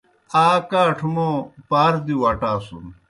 آ کاٹھہ موں پاردِیؤ اٹاسُن۔